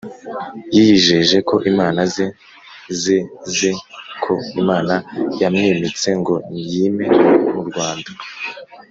Yiyijeje ko imana ze zeze, ko Imana yamwimitse ngo yime mu Rwanda